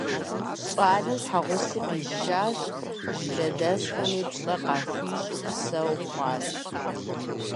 ЩӀалэм щхьэгъуси къишащ, жылэдэсхэми пщӀэ къыхуащӀу псэу хъуащ.